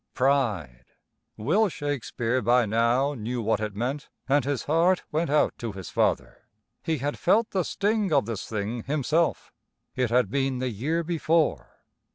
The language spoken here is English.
Pride! Will Shakespeare by now knew what it meant, and his heart went out to his father. He had felt the sting of this thing himself. It had been the year before.